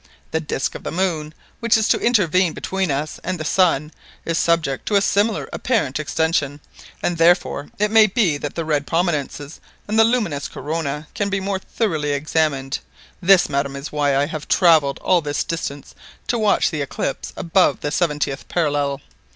The disc of the moon which is to intervene between us and the sun is subject to a similar apparent extension, and therefore it may be that the red prominences and the luminous corona can be more thoroughly examined This, madam, is why I have travelled all this distance to watch the eclipse above the seventieth parallel.